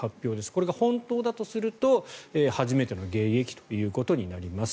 これが本当だとすると初めての迎撃ということになります。